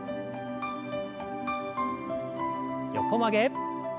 横曲げ。